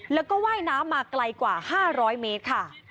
แล้วก็ว่ายน้ำมาไกลกว่า๕๐๐เมตรค่ะ